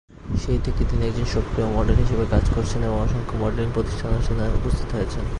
সেই থেকে, তিনি একজন সক্রিয় মডেল হিসেবে কাজ করছেন এবং অসংখ্য মডেলিং প্রতিষ্ঠানের অনুষ্ঠানে উপস্থিত হয়েছেন।